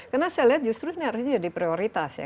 karena saya lihat justru ini harusnya jadi prioritas ya